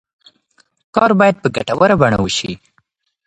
کار باید په ګټوره بڼه وشي.